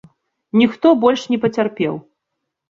Ніхто больш не пацярпеў.